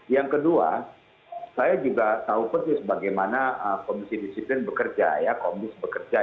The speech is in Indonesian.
yang kedua saya juga tahu persis bagaimana komisi disiplin bekerja ya komdis bekerja